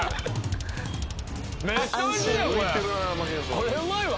これうまいわ。